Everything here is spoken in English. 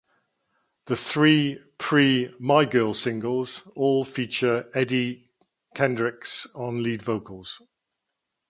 The three pre-"My Girl" singles all feature Eddie Kendricks on lead vocals.